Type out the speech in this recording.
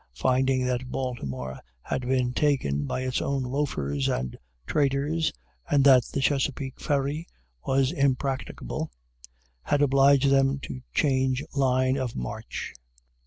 Finding that Baltimore had been taken by its own loafers and traitors, and that the Chesapeake ferry was impracticable, had obliged them to change line of march.